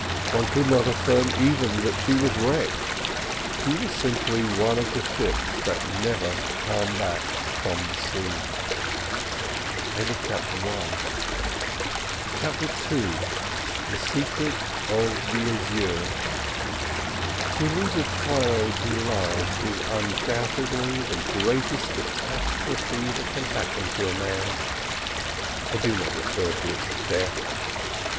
One could not affirm even that she was wrecked; she was simply one of the ships that never come back from the sea. CHAPTER II THE SECRET OF THE AZURE To lose a child he loves is undoubtedly the greatest catastrophe that can happen to a man. I do not refer to its death.